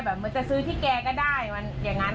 แบบแบบจะซื้อที่แกก็ได้อย่างนั้น